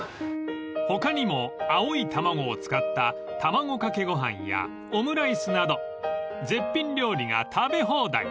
［他にも青い卵を使った卵掛けご飯やオムライスなど絶品料理が食べ放題］